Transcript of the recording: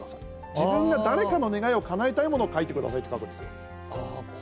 自分が誰かの願いをかなえたいものを書いてくださいって書くんですよ。